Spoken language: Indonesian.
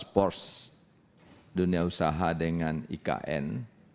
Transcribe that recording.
sudah ada task force dunia usaha dengan ikn